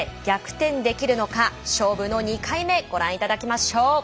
逆転できるのか勝負の２回目ご覧いただきましょう。